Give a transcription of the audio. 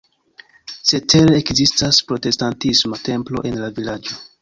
Cetere ekzistas protestantisma templo en la vilaĝo.